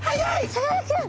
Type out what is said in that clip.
さかなクン！